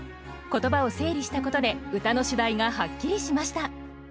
言葉を整理したことで歌の主題がはっきりしました。